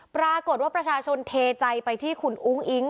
ปรากฏว่าประชาชนเทใจไปที่คุณอุ้งอิ๊ง